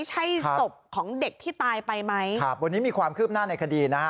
ใช่ศพของเด็กที่ตายไปไหมครับวันนี้มีความคืบหน้าในคดีนะฮะ